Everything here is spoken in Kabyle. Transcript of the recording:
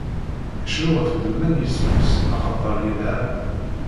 Cnut ɣef ddemma n yisem-is, axaṭer ilha!